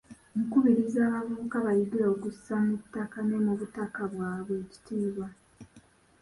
Nkubiriza abavubuka bayige okussa mu ttaka ne mu butaka bwabwe ekitiibwa.